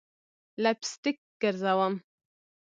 لپ سټک ګرزوم